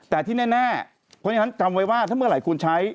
แต่ที่แน่ฉันจำไว้ว่าเมื่อไหร่คุณใช้